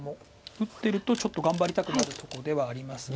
打ってるとちょっと頑張りたくなるとこではありますが。